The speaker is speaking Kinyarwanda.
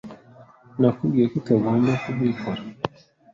Nakubwiye ko utagomba kubikora.